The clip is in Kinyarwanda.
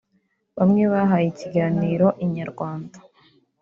bamwe bahaye ikiganiro inyarwanda